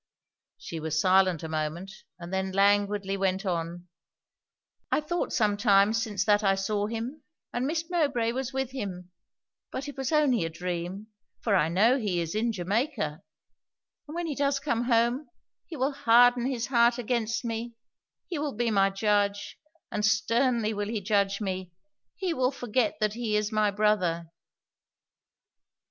She was silent a moment, and then languidly went on 'I thought some time since that I saw him, and Miss Mowbray was with him; but it was only a dream, for I know he is in Jamaica: and when he does come home, he will harden his heart against me he will be my judge, and sternly will he judge me he will forget that he is my brother!'